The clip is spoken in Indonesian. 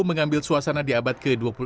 mengambil suasana di abad ke dua puluh tiga